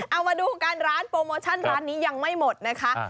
เอามาดูกันร้านโปรโมชั่นร้านนี้ยังไม่หมดนะคะ